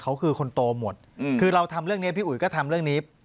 เขาคือคนโตหมดคือเราทำเรื่องนี้พี่อุ๋ยก็ทำเรื่องนี้